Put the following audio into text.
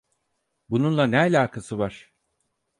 Bununla ne alakası var?